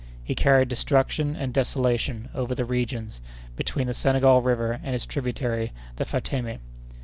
He carried destruction and desolation over the regions between the Senegal River and its tributary, the Fatémé.